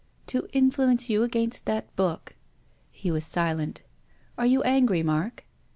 "To influence you against that book." He was silent. "Are you angry, Mark?"